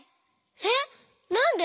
えっなんで？